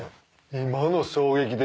今の衝撃的。